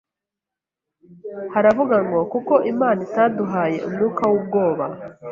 haravuga ngo "Kuko Imana itaduhaye umwuka w’ubwoba,